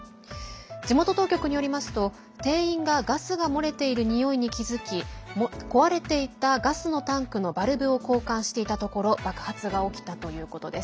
地元当局によりますと、店員がガスが漏れているにおいに気付き壊れていたガスのタンクのバルブを交換していたところ爆発が起きたということです。